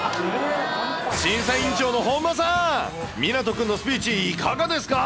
審査委員長の本間さん、みなとくんのスピーチ、いかがですか？